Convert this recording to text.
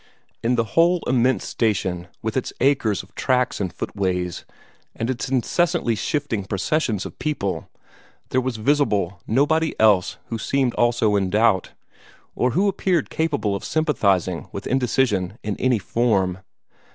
In the whole immense station, with its acres of tracks and footways, and its incessantly shifting processions of people, there was visible nobody else who seemed also in doubt, or who appeared capable of sympathizing with indecision in any form.